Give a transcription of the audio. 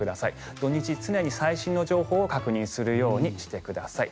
土日、常に最新の情報を確認するようにしてください。